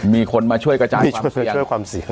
มีคนมาช่วยกระจายความเสี่ยง